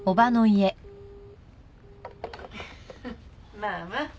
まあまあ。